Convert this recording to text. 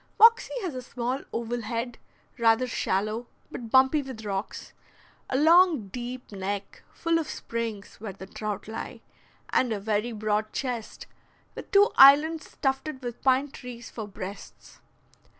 Moxie has a small oval head, rather shallow, but bumpy with rocks; a long, deep neck, full of springs, where the trout lie; and a very broad chest, with two islands tufted with pine trees for breasts.